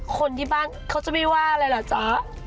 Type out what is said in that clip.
คนที่บ้านเขาจะไม่ว่าอะไรเหรอจ๊ะ